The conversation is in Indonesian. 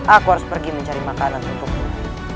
aku harus pergi mencari makanan untukmu